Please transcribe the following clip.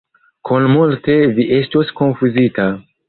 Kun multe vi estos konfuzita.